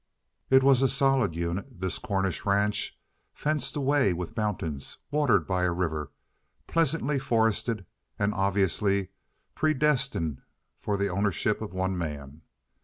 It was a solid unit, this Cornish ranch, fenced away with mountains, watered by a river, pleasantly forested, and obviously predestined for the ownership of one man.